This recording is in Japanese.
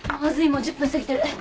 もう１０分過ぎてる。